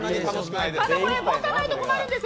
ただこれもたないと困るんです。